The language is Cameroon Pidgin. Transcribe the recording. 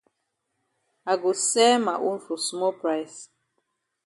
I go sell ma own for small price.